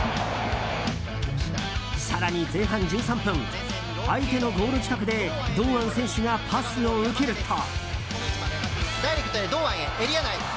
更に、前半１３分相手のゴール近くで堂安選手がパスを受けると。